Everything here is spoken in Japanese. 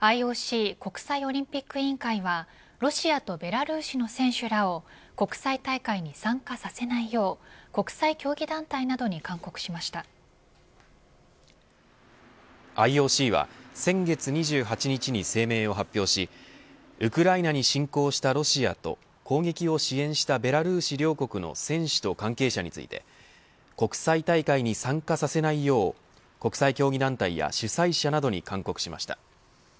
ＩＯＣ国際オリンピック委員会はロシアとベラルーシの選手らを国際大会に参加させないよう国際競技団体などにＩＯＣは先月２８日に声明を発表しウクライナに侵攻したロシアと攻撃を支援したベラルーシ両国の選手と関係者について国際大会に参加させないよう国際競技団体や主催者などに勧告しました。